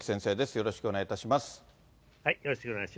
よろしくお願いします。